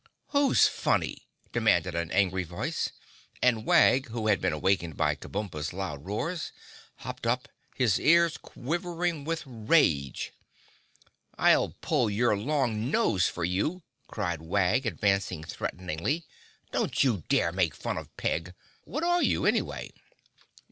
"Who's funny?" demanded an angry voice and Wag, who had been awakened by Kabumpo's loud roars, hopped up, his ears quivering with rage. "I'll pull your long nose for you!" cried Wag, advancing threateningly. "Don't you dare make fun of Peg. What are you, anyway?"